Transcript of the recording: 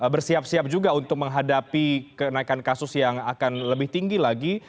bersiap siap juga untuk menghadapi kenaikan kasus yang akan lebih tinggi lagi